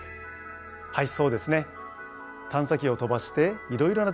はいそうですね。